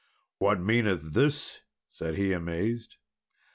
"What meaneth this?" said he, amazed.